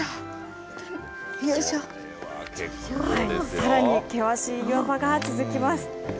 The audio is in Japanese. さらに険しい岩場が続きます。